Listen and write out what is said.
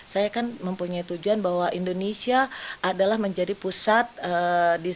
saya kan mempunyai tujuan bahwa indonesia adalah menjadi pusat desain ataupun pusat baju muslim sedunia